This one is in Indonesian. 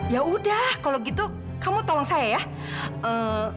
ya udah kalau gitu kamu tolong saya ya